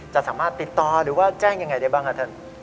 จะสามารถติดต่อหรือว่าแจ้งยังไงได้บ้างครับท่าน